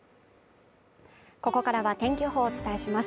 ここからは天気予報をお伝えします